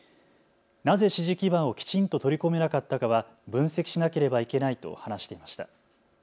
なぜ支持基盤をきちんと取り込めなかったかは分析しなければいけないと話していました。